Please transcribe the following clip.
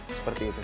seperti itu sih